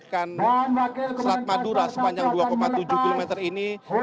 dan bagi kebenaran yang tersebut saya menurutkan dengan kebenaran yang tersebut